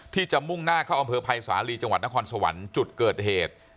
ที่จะมุ่งหน้าเข้าอำเภอภัยสาลีจังหวัดนครสวรรค์จุดเกิดเหตุ